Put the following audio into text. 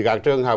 các trường học